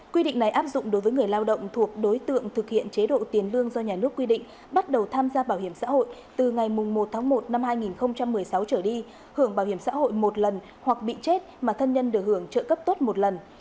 quy định này áp dụng đối với người lao động thuộc đối tượng thực hiện chế độ tiền lương do nhà nước quy định bắt đầu tham gia bảo hiểm xã hội từ ngày một tháng một năm hai nghìn một mươi sáu trở đi hưởng bảo hiểm xã hội một lần hoặc bị chết mà thân nhân được hưởng trợ cấp tốt một lần